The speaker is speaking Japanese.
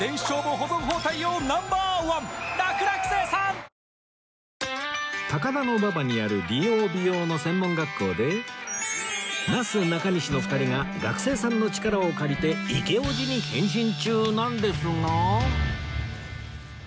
２１高田馬場にある理容・美容の専門学校でなすなかにしの２人が学生さんの力を借りてイケオジに変身中なんですが